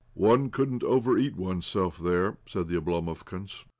" One couldn't overeat oneself there," said the Oblomovkans